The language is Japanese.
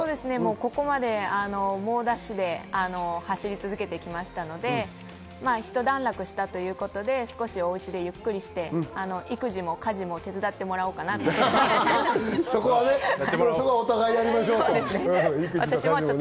ここまで猛ダッシュで走り続けてきましたので、ひと段落したということで少しおうちでゆっくりして育児も家事も手伝ってもらおうかなと思います。